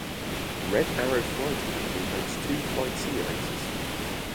Red Arrow Flight Academy owns two flight simulators.